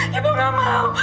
ibu nggak mau